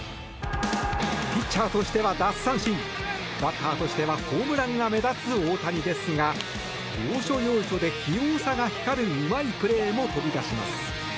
ピッチャーとしては奪三振バッターとしてはホームランが目立つ大谷ですが要所要所で器用さが光るうまいプレーも飛び出します。